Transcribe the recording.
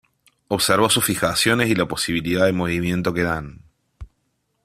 Observó sus fijaciones y la posibilidad de movimiento que dan.